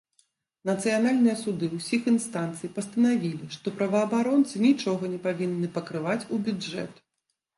Нацыянальныя суды ўсіх інстанцый пастанавілі, што праваабаронцы нічога не павінны пакрываць ў бюджэт.